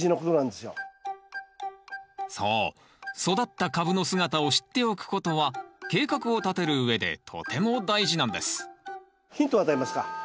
育った株の姿を知っておくことは計画を立てるうえでとても大事なんですヒントを与えますか？